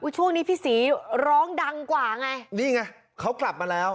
ช่วงนี้พี่ศรีร้องดังกว่าไงนี่ไงเขากลับมาแล้ว